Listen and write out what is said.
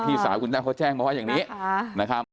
พี่สาวคุณแต้วเขาแจ้งมาว่าอย่างนี้นะครับ